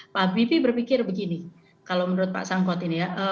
pak habibie berpikir begini kalau menurut pak sangkot ini ya